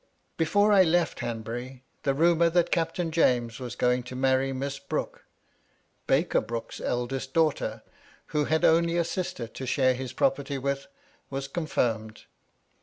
Before I left Hanbury, the rumour that Captain James was going to marry Miss Brooke, Baker Brooke's eldest daughter, who had only a sister to share his property with her, was confirmed.